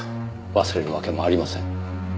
忘れるわけもありません。